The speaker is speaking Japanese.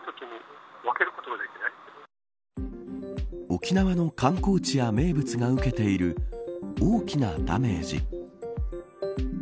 沖縄の観光地や名物が受けている大きなダメージ。